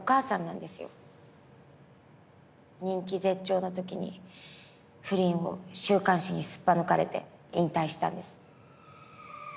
人気絶頂のときに不倫を週刊誌にすっぱ抜かれて引退したんです。